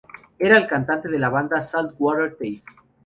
Era el cantante de la banda Salt Water Thief.